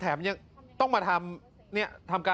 แถมนี่